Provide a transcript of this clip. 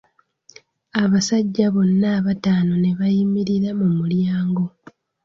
Abasajja bonna abataano ne bayimirira mu mulyango.